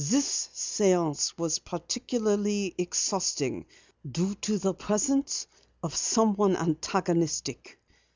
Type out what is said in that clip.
"This séance was particularly exhausting due to the presence of someone antagonistic.